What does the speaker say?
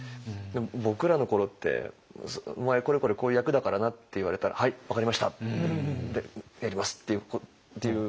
僕らの頃って「お前これこれこういう役だからな」って言われたら「はい分かりました」って「やります」っていう。